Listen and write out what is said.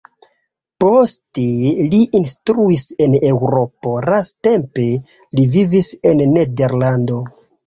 Poste li instruis en Eŭropo, lastatempe li vivis en Nederlando.